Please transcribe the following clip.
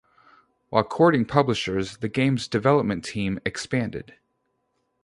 While courting publishers, the game's development team expanded.